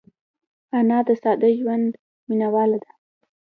انا د ساده ژوند مینهواله ده